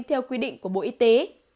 theo quy định của bộ y tế